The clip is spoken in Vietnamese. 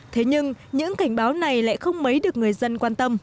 thế nhưng những cảnh báo này lại không mấy được người dân quan tâm